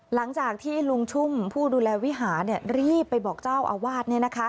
หลังจากที่ลุงชุ่มผู้ดูแลวิหารรีบไปบอกเจ้าอาวาส